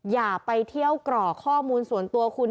อย่าไปเที่ยวกรอกข้อมูลส่วนตัวคุณ